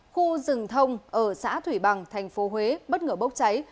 khu rừng thông ở xã thủy bằng thành phố huế bất ngờ bốc cháy